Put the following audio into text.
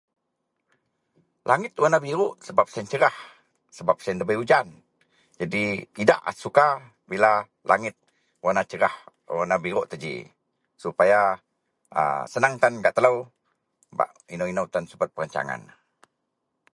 langit warna biruk sebab siyen cerah, sebab siyen debei ujan jadi idak a suka bila langit warna cerah warna biruk itou ji supaya a senang tan gak telou bak inou-inou tan subet perancangan